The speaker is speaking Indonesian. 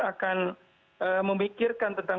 akan memikirkan tentang